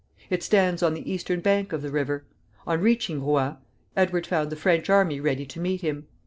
It stands on the eastern bank of the river. On reaching Rouen, Edward found the French army ready to meet him.